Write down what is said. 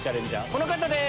この方です！